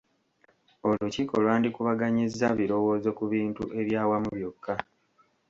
Olukiiko lwandikubaganyizza birowoozo ku bintu ebyawamu byokka.